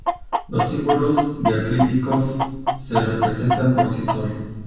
Los símbolos diacríticos se representan por sí solos.